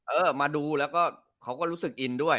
เออมาดูแล้วก็เขาก็รู้สึกอินด้วย